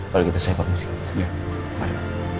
kalau gitu saya berpengen ya baik